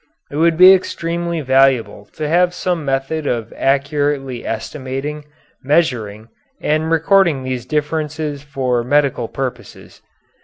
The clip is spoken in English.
It would be extremely valuable to have some method of accurately estimating, measuring, and recording these differences for medical purposes.